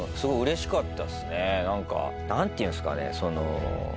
何て言うんすかね。